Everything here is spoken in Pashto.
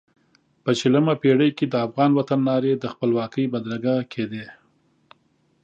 په شلمه پېړۍ کې د افغان وطن نارې د خپلواکۍ بدرګه کېدې.